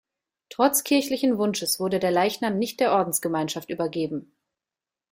Trotz kirchlichen Wunsches wurde der Leichnam nicht der Ordensgemeinschaft übergeben.